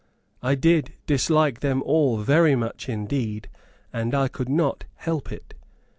I did dislike them all very much indeed and I could not help it.